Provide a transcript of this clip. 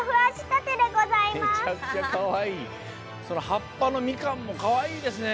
はっぱのみかんもかわいいですね。